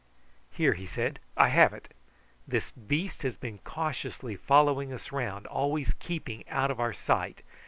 Here," he said, "I have it! This beast has been cautiously following us round, always keeping out of our sight.